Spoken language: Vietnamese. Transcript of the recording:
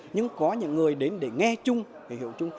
nhưng có những người đến để nghe chung để hiểu chung